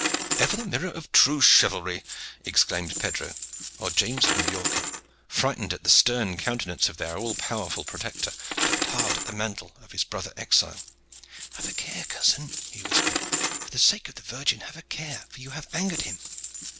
"Ever the mirror of true chivalry!" exclaimed Pedro, while James of Majorca, frightened at the stern countenance of their all powerful protector, plucked hard at the mantle of his brother exile. "Have a care, cousin," he whispered; "for the sake of the Virgin have a care, for you have angered him."